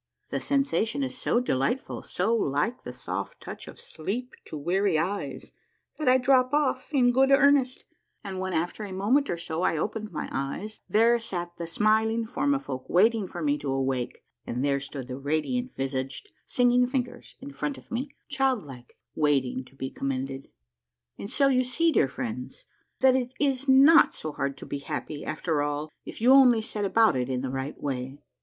The sensation is so delightful, so like the soft touch of sleep to weary eyes, that I drop off in good earnest, and when, after a moment or so, I opened my eyes there sat the smiling Formifolk waiting for me to awake, and there stood the radiant visaged Singing Fingers in front of me, child like, waiting to be commended. And so you see, dear friends, that it is not so hard to be happy after all if you only set about it in the right way.